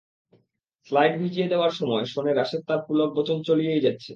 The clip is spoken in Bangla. স্লাইড ভিজিয়ে দেওয়ার সময় শোনে রাশেদ তার পুলক বচন চালিয়েই যাচ্ছে।